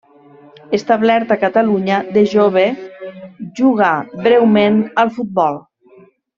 Establert a Catalunya, de jove jugà breument al futbol.